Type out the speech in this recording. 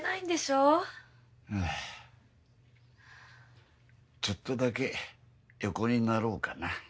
うんちょっとだけ横になろうかな。